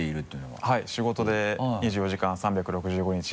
はい仕事で２４時間３６５日